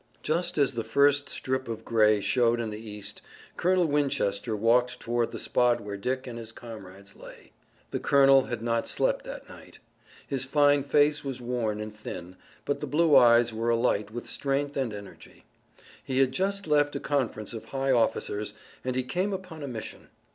Just as the first strip of gray showed in the east Colonel Winchester walked toward the spot where Dick and his comrades lay. The colonel had not slept that night. His fine face was worn and thin, but the blue eyes were alight with strength and energy. He had just left a conference of high officers, and he came upon a mission.